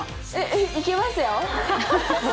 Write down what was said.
いけますよ。